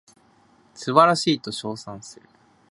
素晴らしいと称賛する